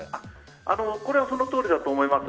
これはそのとおりだと思います。